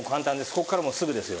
ここからもうすぐですよ。